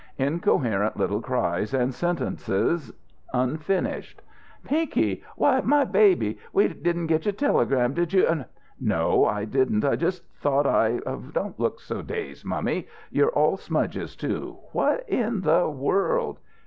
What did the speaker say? Incoherent little cries, and sentences unfinished. "Pinky! Why my baby! We didn't get your telegram. Did you " "No; I didn't. I just thought I Don't look so dazed, mummy You're all smudged too what in the world!"